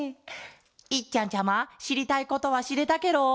いっちゃんちゃましりたいことはしれたケロ？